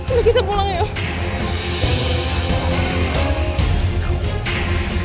udah kita pulang yuk